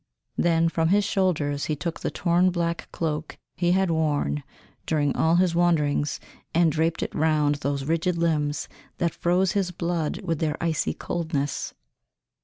Then from his shoulders he took the torn black cloak he had worn during all his wanderings and draped it round those rigid limbs that froze his blood with their icy coldness.